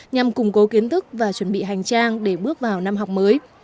nhằm củng cố kiến thức và chuẩn bị hành trang để bước vào năm học mới